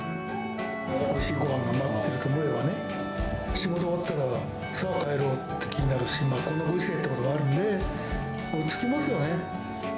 おいしいごはんが待っていると思えばね、仕事終わったら、さあ、帰ろうって気になるし、こんなご時世ってこともあるので、落ち着きますよね。